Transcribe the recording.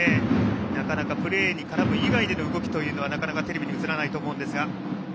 なかなかプレーに絡む以外での動きというのはテレビに映らないと思うんですが。